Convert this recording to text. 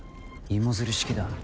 芋づる式だ。